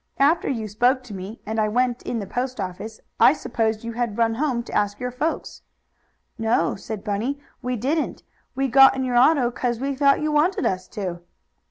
After you spoke to me, and I went in the post office, I supposed you had run home to ask your folks." "No," said Bunny, "we didn't. We got in your auto 'cause we thought you wanted us to."